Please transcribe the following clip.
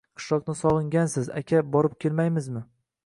Qishloqni sog‘ingansiz aka borib kelmaymizmi